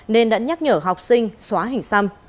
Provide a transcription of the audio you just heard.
nên đã nhắc nhở học sinh xóa hình xăm